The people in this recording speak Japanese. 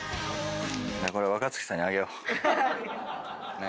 これ若槻さんにあげよう。